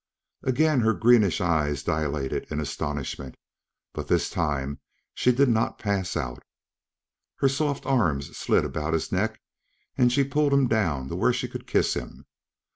Again her greenish eyes dilated in astonishment, but this time she did not pass out. Her soft arms slid about his neck and she pulled him down to where she could kiss him.